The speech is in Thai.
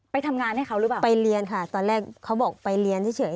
ไปทำงานให้เขาหรือเปล่าไปเรียนค่ะตอนแรกเขาบอกไปเรียนเฉย